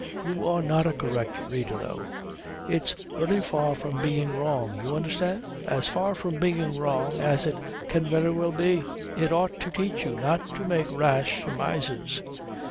You are not a correct reader though. It's very far from being wrong. You understand? As far from being wrong as it can very well be. It ought to teach you not to make rash surmises.